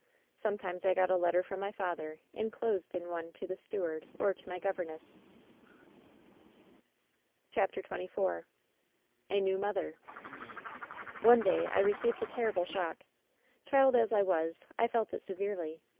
"Sometimes I got a letter from my father, inclosed ia one to the steward or to my govemesa. 14« WHEN SHADOWS DIE CHAPTER XXIV A NEW MOTHSB "One day I received a terrible shock. Child as I was, I felt it severely.